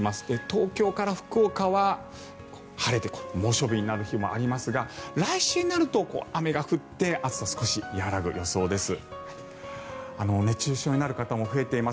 東京から福岡は晴れて猛暑日になる日もありますが来週になると雨が降って暑さは少し和らぐ予想です。